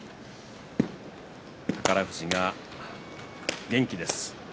宝富士が元気です。